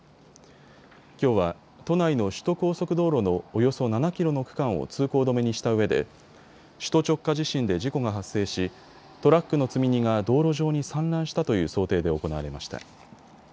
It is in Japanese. きょうは都内の首都高速道路のおよそ７キロの区間を通行止めにしたうえで首都直下地震で事故が発生し、トラックの積み荷が道路上に散乱したという想定で行われました。